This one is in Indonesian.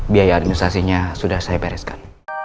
biaya administrasinya sudah saya bereskan